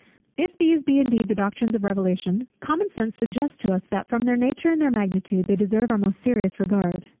If these be indeed the doctrines of Revelation, common sense suggests to us that from their nature and their magnitude, they deserve our most serious regard.